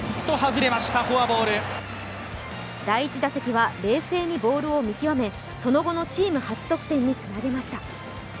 第１打席は冷静にボールを見極め、その後のチーム初得点につなげました。